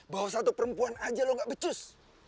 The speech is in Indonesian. bahwa satu perempuan aja lo gak becus